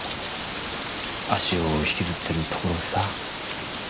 足を引きずってるところをさ。